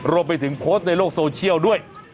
รวมไปถึงโพสต์ในโลกโซเชียลด้วย